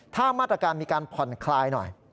ถ้ามาตรการมีการผ่อนคลายหน่อย